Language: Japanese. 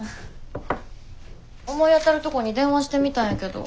思い当たるとこに電話してみたんやけど。